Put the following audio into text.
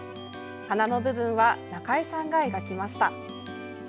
花の部分はなかえさんが描きました。